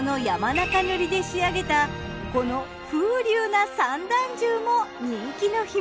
中塗で仕上げたこの風流な三段重も人気の秘密。